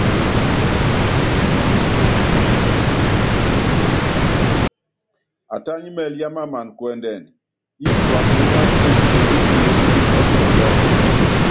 Atányí mɛɛlí yámanána kuɛndɛnd, yíípi kuakuúnɔ́ muundɔ ewú umeépíkínyí kilɔndɔ.